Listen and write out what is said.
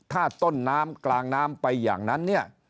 ถ้าต้นน้ำกลางน้ำไปอย่างนั้นเนี่ย